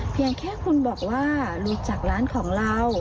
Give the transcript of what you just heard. เพียงแค่คุณบอกว่ารู้จักร้านของเรา